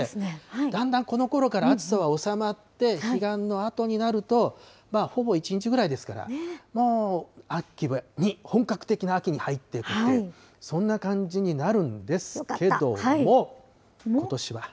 だんだんこのころから暑さは収まって、彼岸のあとになると、ほぼ１日ぐらいですから、もう秋に、本格的な秋に入っていくっていう、そんな感じになるんですけども。